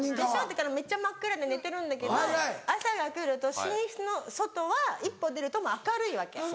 だからめっちゃ真っ暗で寝てるんだけど朝が来ると寝室の外は一歩出ると明るいわけ。